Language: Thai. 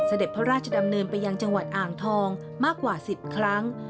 เสด็จพระราชดำเนินไปยังจังหวัดอ่างทองมากกว่า๑๐ครั้ง